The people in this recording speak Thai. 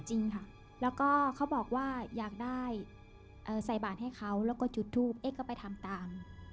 จริงค่ะแล้วก็เขาบอกว่าอยากได้ใส่บาทให้เขาแล้วก็จุดทูปเอ๊ะก็ไปทำตาม